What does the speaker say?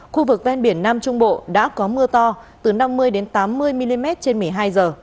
khu vực ven biển nam trung bộ đã có mưa to từ năm mươi tám mươi mm trên một mươi hai h